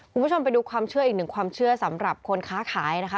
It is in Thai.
คุณผู้ชมไปดูความเชื่ออีกหนึ่งความเชื่อสำหรับคนค้าขายนะคะ